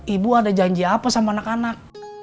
ibu ada janji apa sama anak anak